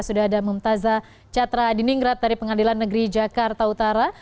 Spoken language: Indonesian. sudah ada memutasa catra di ninggrat dari pengadilan negeri jakarta utara